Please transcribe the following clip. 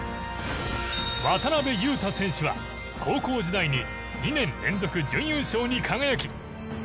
渡邊雄太選手は高校時代に２年連続準優勝に輝き